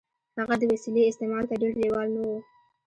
هغه د وسيلې استعمال ته ډېر لېوال نه و.